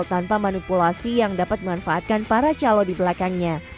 tanpa manipulasi yang dapat memanfaatkan para calon di belakangnya